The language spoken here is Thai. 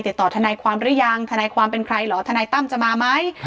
ทนายความหรือยังทนายความเป็นใครเหรอทนายตั้มจะมาไหม